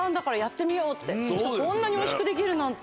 こんなにおいしくできるなんて。